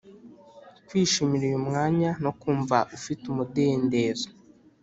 kwishimira uyu mwanya no kumva ufite umudendezo,